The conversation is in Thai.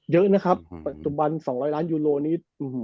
เยอะนะครับปัจจุบัน๒๐๐ล้านยูโรนี้